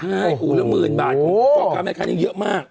ใช่คู่ละหมื่นบาทของพ่อค้าแม่ค้านี้เยอะมาก